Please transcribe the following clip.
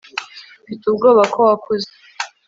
mfite ubwoba ko wakuze